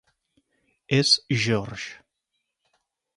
És George.